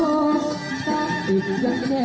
กลับมาเท่าไหร่